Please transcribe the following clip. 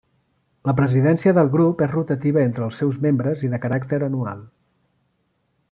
La presidència del grup és rotativa entre els seus membres i de caràcter anual.